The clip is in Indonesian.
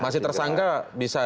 masih tersangka bisa